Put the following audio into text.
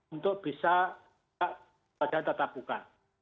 untuk bisa saja tetap buka